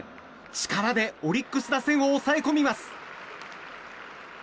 力でオリックス打線を抑え込みます。